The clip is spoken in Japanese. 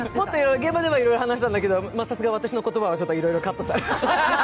現場ではもっといろいろ話したんだけど、さすが私の言葉はいろいろカットされて。